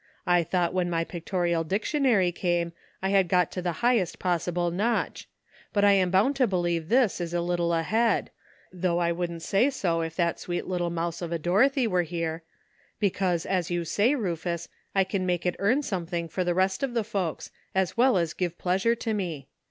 I thought when my Pictorial Dictionary came I had got to the highest possi ble notch, but I am bound to believe this is a little ahead — though I wouldn't say so if that sweet little mouse of a Dorothy were here — because as you say, Rufus, I can make it earn something for the rest of the folks, as well as give pleasure to me.